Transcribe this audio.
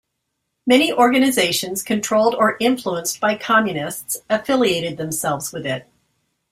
Many organisations controlled or influenced by Communists affiliated themselves with it.